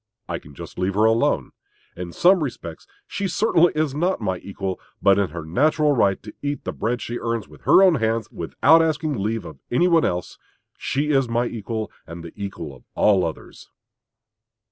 I can just leave her alone. In some respects she certainly is not my equal; but in her natural right to eat the bread she earns with her own hands, without asking leave of any one else, she is my equal and the equal of all others.